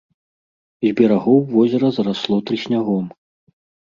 З берагоў возера зарасло трыснягом.